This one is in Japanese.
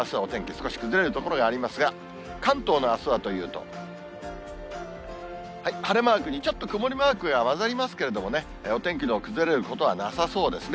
少し崩れる所はありますが、関東のあすはというと、晴れマークにちょっと曇りマークが混ざりますけれどもね、お天気の崩れることはなさそうですね。